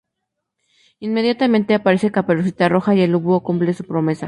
Inmediatamente, aparece Caperucita Roja y el lobo cumple su promesa.